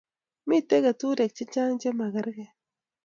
Mito keturek chechang che makargei